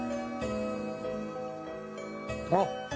あっ！